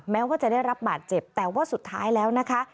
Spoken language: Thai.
แม้ว่าจะได้รับบาดเจ็บแต่ว่าสุดท้ายแล้วนะคะ